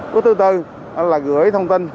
bước thứ tư là gửi thông tin